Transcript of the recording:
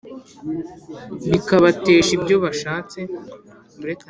Bikabatesha ibyo bashatse?